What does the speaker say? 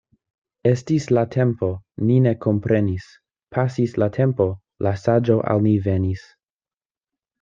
Estis la tempo, ni ne komprenis — pasis la tempo, la saĝo al ni venis.